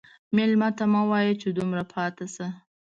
مېلمه ته مه وایه چې دومره پاتې شه.